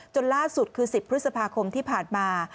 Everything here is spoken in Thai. จนล่าสุดคือ๑๐พฤษภาคมที่ผ่านมา